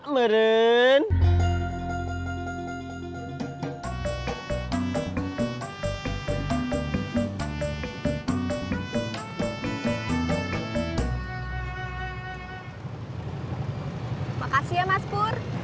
makasih ya maspur